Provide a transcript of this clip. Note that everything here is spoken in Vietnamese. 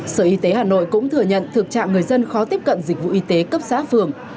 sở y tế hà nội cũng thừa nhận thực trạng người dân khó tiếp cận dịch vụ y tế cấp xã phường